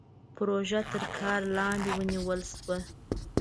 پروژه تر کار لاندې ونيول شوه.